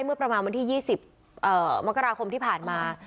เมื่อประมาณวันที่๒๐มกราคมที่ผ่านมา